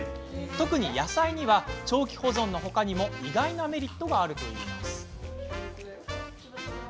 特に野菜には長期保存のほかにも意外なメリットがあるといいます。